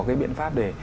cái biện pháp để